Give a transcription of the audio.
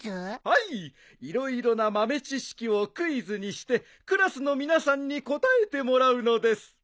色々な豆知識をクイズにしてクラスの皆さんに答えてもらうのです。